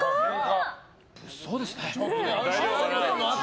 物騒ですね。